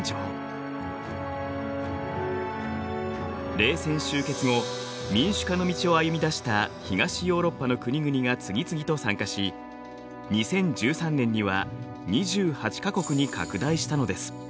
冷戦終結後民主化の道を歩み出した東ヨーロッパの国々が次々と参加し２０１３年には２８か国に拡大したのです。